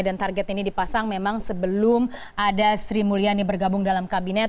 target ini dipasang memang sebelum ada sri mulyani bergabung dalam kabinet